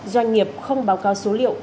doanh nghiệp không báo cáo số liệu